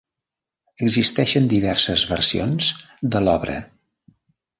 Existeixen diverses versions de l'obra.